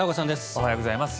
おはようございます。